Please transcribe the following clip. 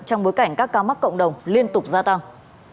trong bối cảnh các ca mắc cộng đồng liên tục gia tăng